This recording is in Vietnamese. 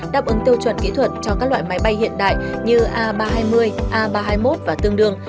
đáp ứng tiêu chuẩn kỹ thuật cho các loại máy bay hiện đại như a ba trăm hai mươi a ba trăm hai mươi một và tương đương